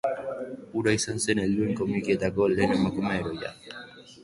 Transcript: Hura izan zen helduen komikietako lehen emakume heroia.